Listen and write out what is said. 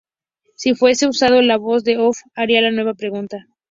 Si fuese usado, la voz en off haría la nueva pregunta.